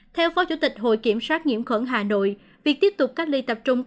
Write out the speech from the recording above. theo phó chủ tịch hội kiểm soát nhiễm khuẩn hà nội việc tiếp tục cách ly tập trung